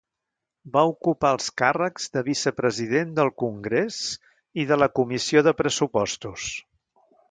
Va ocupar els càrrecs de vicepresident del Congrés i de la Comissió de Pressupostos.